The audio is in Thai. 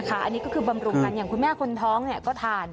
อันนี้ก็คือบำรุงกันอย่างคุณแม่คนท้องก็ทาน